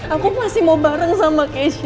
aku masih mau bareng sama cash